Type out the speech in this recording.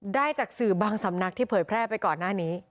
ได้จากสื่อบางสำนักที่เผยแพร่ไปก่อนหน้านี้